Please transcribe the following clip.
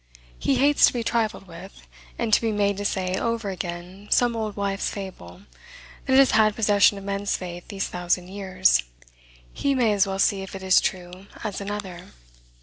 He hates to be trifled with, and to be made to say over again some old wife's fable, that has had possession of men's faith these thousand years. He may as well see if it is true as another.